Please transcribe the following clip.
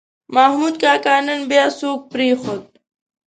محمود کاکا نن بیا څوک پرېښود.